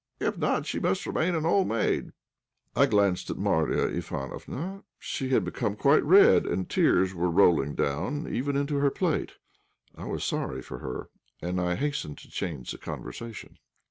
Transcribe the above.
If not she must remain an old maid!" I glanced at Marya Ivánofna. She had become quite red, and tears were rolling down, even into her plate. I was sorry for her, and I hastened to change the conversation.